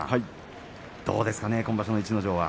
どうですか今場所の逸ノ城は。